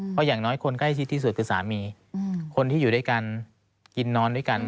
เพราะอย่างน้อยคนใกล้ชิดที่สุดคือสามีคนที่อยู่ด้วยกันกินนอนด้วยกัน